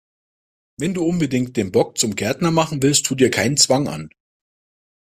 Wenn du unbedingt den Bock zum Gärtner machen willst, tu dir keinen Zwang an!